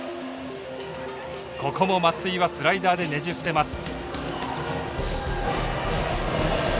ここも松井はスライダーでねじ伏せます。